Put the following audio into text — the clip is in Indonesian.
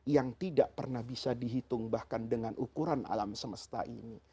yang tidak pernah bisa dihitung bahkan dengan ukuran alam semesta ini